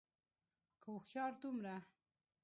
که هوښيار دومره